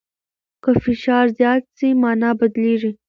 که فشار زیات سي، مانا بدلیږي.